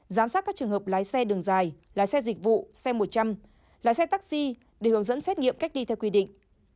giám sát các trường hợp lái xe đường dài lái xe dịch vụ xe một trăm linh lái xe taxi để hướng dẫn xét nghiệm cách ly theo quy định